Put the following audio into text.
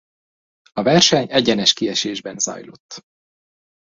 A verseny egyenes kiesésben zajlott.